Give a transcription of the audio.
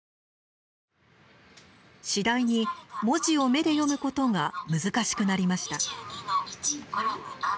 次第に文字を目で読むことが難しくなりました。